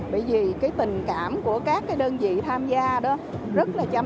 bởi vì cái tình cảm của các đơn vị tham gia đó rất là chú ý và rất là thân thiện